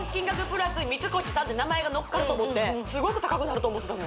プラス三越さんって名前が乗っかると思ってすごく高くなると思ったもん